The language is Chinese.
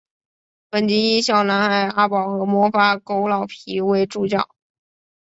本集以小男孩阿宝和魔法狗老皮为主角。